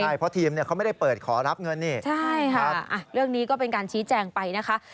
ใช่เพราะทีมเนี่ยเขาไม่ได้เปิดขอรับเงินนี่ใช่ครับเรื่องนี้ก็เป็นการชี้แจงไปนะคะ